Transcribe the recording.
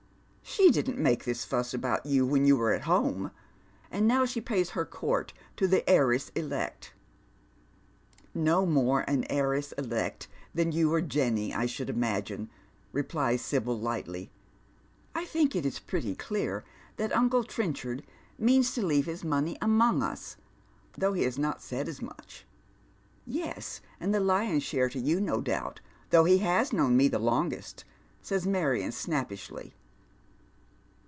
" She didn't make this fuss about you whon you were at home, but now she pays her court to the heiress elect." ♦* No more an heiress elect than you or Jenny, I should imagine)" 74 Dead Men's Shoe*. replies Sibyl, lightly. " I think it is pretty clear that ancl« Tienchard means to leave his money among ua, though he has not said as much." " Yes, and the lion's Bhare to you, no doubt, though he i?* } cnown me longest," says Marion, snappishly.